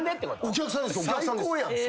お客さんです。